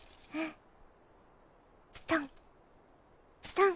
トン。